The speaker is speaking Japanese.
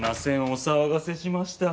お騒がせしました。